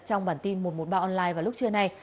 trong bản tin một trăm một mươi ba online vào lúc trưa nay